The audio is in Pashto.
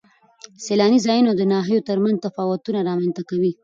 سیلاني ځایونه د ناحیو ترمنځ تفاوتونه رامنځ ته کوي.